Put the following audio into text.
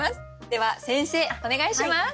では先生お願いします。